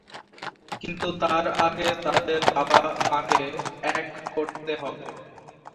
কিন্তু তার আগে তাদের বাবা-মাকে এক করতে হবে।